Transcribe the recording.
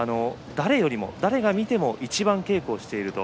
誰が見てもいちばん稽古をしている。